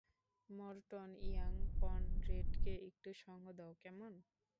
Morton, Young কনরেডকে একটু সঙ্গ দাও, কেমন?